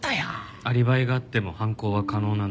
アリバイがあっても犯行は可能なんだ。